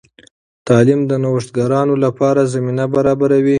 تعلیم د نوښتګرانو لپاره زمینه برابروي.